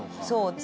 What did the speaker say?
そう。